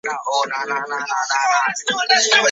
这是一份依长度排列的瑞典桥梁的列表